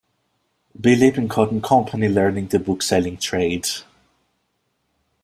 B. Lippincott and Company, learning the bookselling trade.